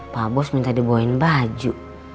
pak bos minta dibuangin baju